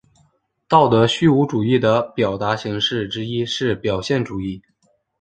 道德虚无主义的表达形式之一是表现主义。